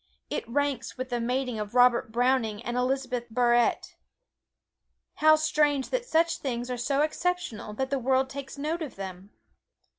It ranks with the mating of Robert Browning and Elizabeth Barrett. How strange that such things are so exceptional that the world takes note of them!